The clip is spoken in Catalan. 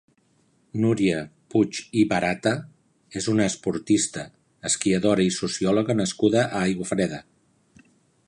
Núria Puig i Barata és una esportista, esquiadora i sociòloga nascuda a Aiguafreda.